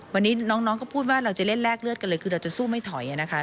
วันนี้น้องก็พูดว่าเราจะเล่นแลกเลือดกันเลยคือเราจะสู้ไม่ถอยนะคะ